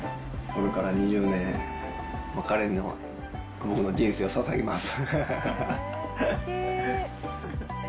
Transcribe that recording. これから２０年、彼に僕の人生をささげます。